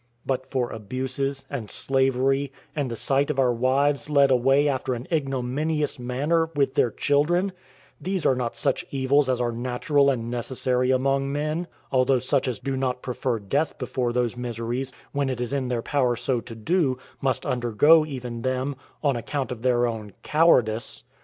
But for abuses, and slavery, and the sight of our wives led away after an ignominious manner, with their children, these are not such evils as are natural and necessary among men; although such as do not prefer death before those miseries, when it is in their power so to do, must undergo even them, on account of their own cowardice.